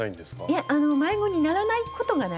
いえ迷子にならないことがないです。